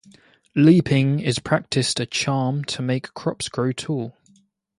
Leaping is practiced a charm to make the crops grow tall.